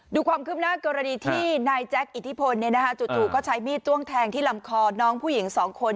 ดูความคืบหน้ากรณีที่นายแจ๊คอิทธิพลจู่ก็ใช้มีดจ้วงแทงที่ลำคอน้องผู้หญิงสองคน